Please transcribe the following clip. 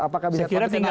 apakah bisa terkena